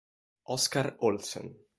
Oskar Olsen